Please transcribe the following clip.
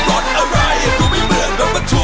นั่นมันรถอะไรดูไม่เหมือนรถบรรทุก